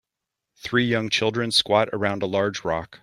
Three young children squat around a large rock.